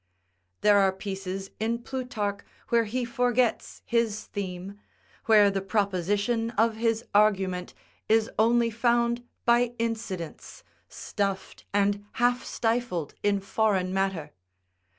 There are pieces in Plutarch where he forgets his theme; where the proposition of his argument is only found by incidence, stuffed and half stifled in foreign matter.